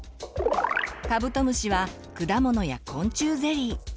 カブトムシは果物や昆虫ゼリー。